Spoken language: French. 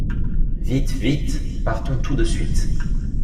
Vite, vite! partons tout de suite.